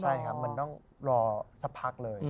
ใช่ครับมันต้องรอสักพักเลย